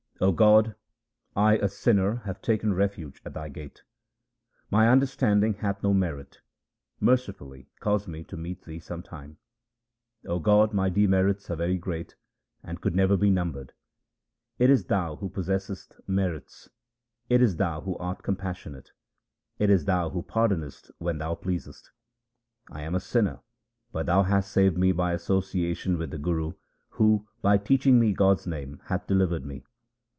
O God, I a sinner have taken refuge at Thy gate. My understanding hath no merit ; mercifully cause me to meet Thee some time. 0 God, my demerits are very great, and could never be numbered. It is Thou who possessest merits ; it is Thou who art compassionate ; it is Thou who pardonest when Thou pleasest. 1 am a sinner, but Thou hast saved me by association with the Guru, who, by teaching me God's name, hath delivered me.